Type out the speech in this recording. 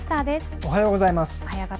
おはようございます。